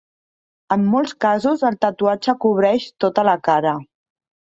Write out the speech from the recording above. En molts casos el tatuatge cobreix tota la cara.